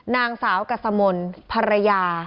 นางสาวกัสมนต์ภรรยา